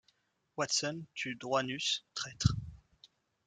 Watson tue Droinus, traitre.